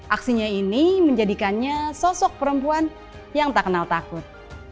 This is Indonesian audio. aksinya ini menjadikannya sosok perempuan yang tak kenal takut